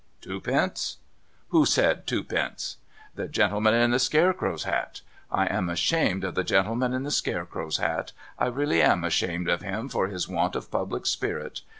Twopence ? Who said twopence ? The gentleman in the scarecrow's hat ? I am ashamed of the gentleman in the scarecrow's hat. I really am ashamed of him for his want of public spirit.